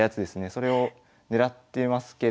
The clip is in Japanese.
それを狙ってますけれども。